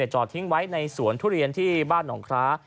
จอดทิ้งไว้ในสวนทุเรียนที่บ้านหนองคล้า